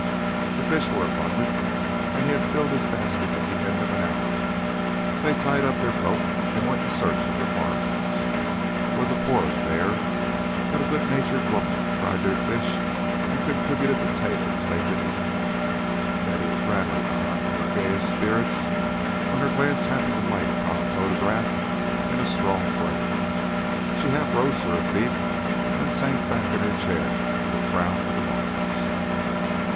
The fish were abundant, and he had filled his basket at the end of an hour. Then they tied up their boat and went in search of the farmhouse. It was a poor affair, but a good natured woman fried their fish and contributed potatoes they could eat. Betty was rattling on in her gayest spirits, when her glance happened to light on a photograph in a straw frame. She half rose to her feet, then sank back in her chair with a frown of annoyance.